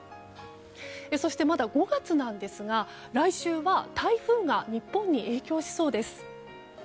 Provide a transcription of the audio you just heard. そして、まだ５月なんですが来週は台風が日本に影響しそうです。